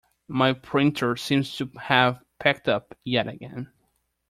My printer seems to have packed up yet again.